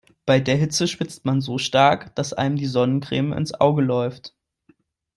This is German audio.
Bei der Hitze schwitzt man so stark, dass einem die Sonnencreme ins Auge läuft.